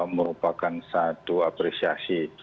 merupakan satu apresiasi